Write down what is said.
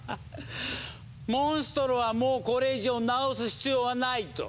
モンストロはもうこれ以上なおす必要はないと。